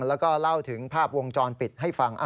แล้วก็เล่าถึงภาพวงจรปิดให้ฟัง